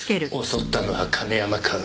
襲ったのは亀山薫。